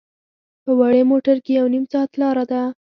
په وړې موټر کې یو نیم ساعت لاره ده.